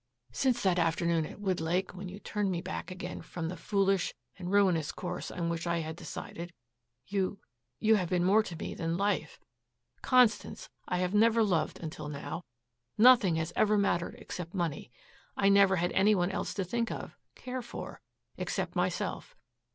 "Since that afternoon at Woodlake when you turned me back again from the foolish and ruinous course on which I had decided you you have been more to me than life. Constance, I have never loved until now. Nothing has ever mattered except money. I never had any one else to think of, care for, except myself.